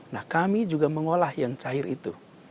nah kami juga mengolah yang cair itu